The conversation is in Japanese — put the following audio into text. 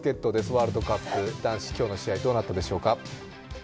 ワールドカップ、男子の試合どうなったでしょうか。